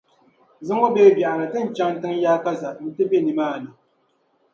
Zuŋɔ bee biɛɣuni ti ni chaŋ tiŋ’ yaakaza nti be nimaani.